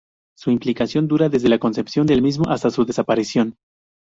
Su implicación dura desde la concepción del mismo hasta su desaparición.